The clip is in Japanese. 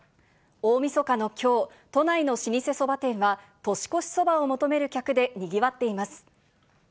大みそかのきょう、都内の老舗そば店は、年越しそばを求める客でにぎわっています。